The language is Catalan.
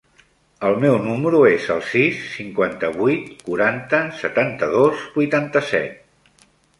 El meu número es el sis, cinquanta-vuit, quaranta, setanta-dos, vuitanta-set.